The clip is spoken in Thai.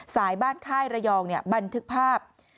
สายบ้านค่ายระยองบันทึกภาพ